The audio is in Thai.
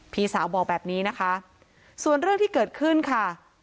พี่สาวบอกแบบนี้นะคะส่วนเรื่องที่เกิดขึ้นค่ะ